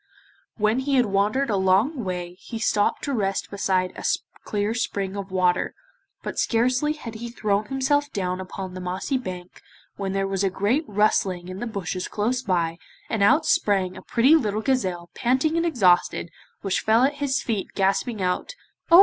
When he had wandered a long way he stopped to rest beside a clear spring of water, but scarcely had he thrown himself down upon the mossy bank when there was a great rustling in the bushes close by, and out sprang a pretty little gazelle panting and exhausted, which fell at his feet gasping out 'Oh!